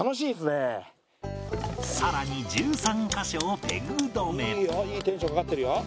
さらに１３カ所をペグ止め